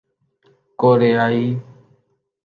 کوریائی